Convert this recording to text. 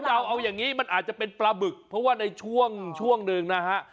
เราเอาอย่างนี้มันอาจจะเป็นปลาบึกเพราะว่าในช่วงหนึ่งนะฮะ